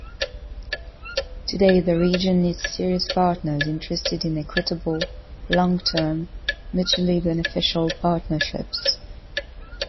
Today, the region needs serious partners interested in equitable, long-term, mutually beneficial partnerships.